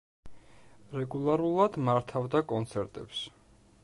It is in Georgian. რეგულარულად მართავდა კონცერტებს.